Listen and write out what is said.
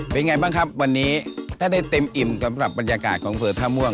เป็นไงบ้างครับวันนี้ถ้าได้เต็มอิ่มสำหรับบรรยากาศของเผลอท่าม่วง